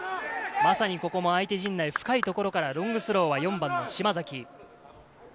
ここも相手陣内の深いところからロングスローは４番の島崎。